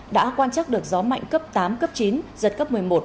đã quan trắc được gió mạnh cấp tám cấp chín giật cấp một mươi một